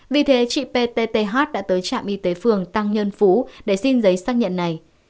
vì thế chị ptth đã tới trạm y tế phường tăng nhân phú để xin giấy xác nhận này